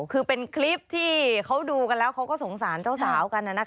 คือเป็นคลิปที่เขาดูกันแล้วเขาก็สงสารเจ้าสาวกัน